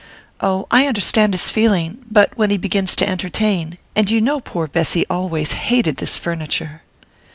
"Oh, I understand his feeling; but when he begins to entertain and you know poor Bessy always hated this furniture."